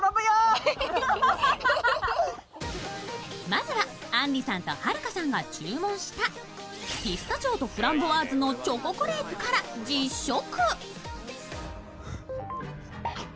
まずは、あんりさんとはるかさんが注文したピスタチオとフランボワーズのチョコクレープから実食。